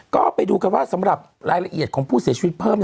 ก็ไปดูกันว่าสำหรับรายละเอียดของผู้เสียชีวิตเพิ่ม